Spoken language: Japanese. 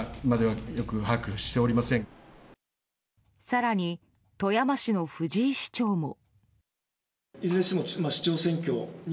更に、富山市の藤井市長も。